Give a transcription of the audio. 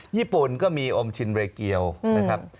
ญี่ปุ่นก็มีอมชินเรเกียวนะครับ